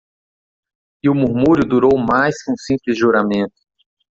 E o murmúrio durou mais que um simples juramento.